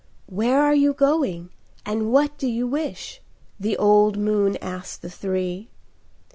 "Where are you going, and what do you wish?" The old moon asked the three.